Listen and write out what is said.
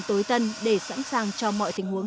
tối tân để sẵn sàng cho mọi tình huống